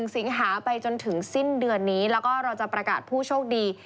สิงหาไปจนถึงสิ้นเดือนนี้แล้วก็เราจะประกาศผู้โชคดี